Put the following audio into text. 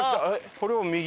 これを右？